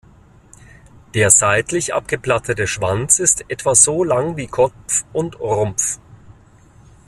Der seitlich abgeplattete Schwanz ist etwa so lang wie Kopf und Rumpf.